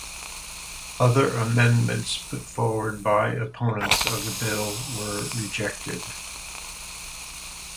Other amendments put forward by opponents of the bill were rejected.